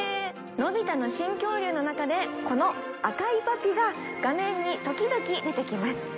『のび太の新恐竜』の中でこの赤いパピが画面に時々出てきます。